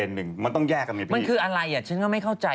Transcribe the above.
บอกว่าตอนนั้นไม่มีช่องข้อกราวหา